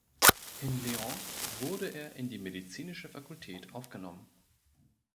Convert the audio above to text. In Lyon wurde er in die medizinische Fakultät aufgenommen.